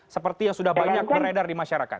seperti yang sudah banyak beredar di masyarakat